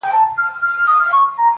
ویل زه که یو ځل ولاړمه ورکېږم؛